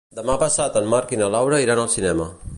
Demà passat en Marc i na Laura iran al cinema.